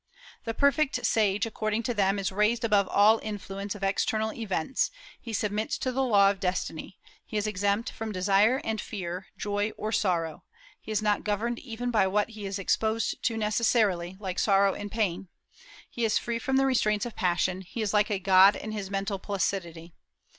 The perfect sage, according to them, is raised above all influence of external events; he submits to the law of destiny; he is exempt from desire and fear, joy or sorrow; he is not governed even by what he is exposed to necessarily, like sorrow and pain; he is free from the restraints of passion; he is like a god in his mental placidity.